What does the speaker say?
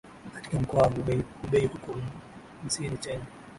katika Mkoa wa Hubeihuko ncini china